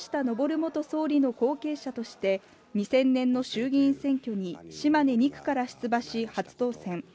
元総理の後継者として２０００年の衆議院選挙に島根２区から出馬し、初当選。